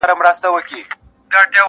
• قصیده نه یم مثنوي نه یم غزل نه یمه -